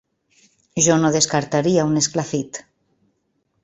Jo no descartaria un esclafit.